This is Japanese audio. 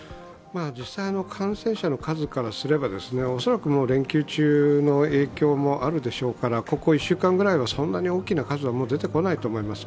実際の感染者の数からすれば恐らくもう連休中の影響もあるでしょうから、ここ１週間ぐらいはそんなに大きな数は出てこないと思います。